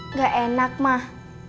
enggak enak mah